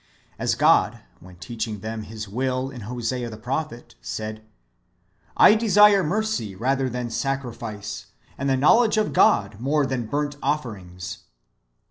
As God, when teaching them His will in Hosea the prophet, said, " I desire mercy rather than sacrifice, and the knowledge of God more than burnt offerings."